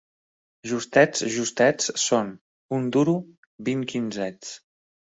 Justets, justets, són, un duro, vint quinzets.